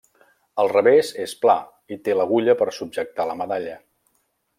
El revers és pla, i té l'agulla per subjectar la medalla.